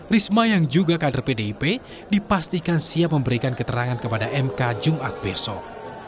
risma yang juga kader pdip dipastikan siap memberikan keterangan kepada mk jumat besok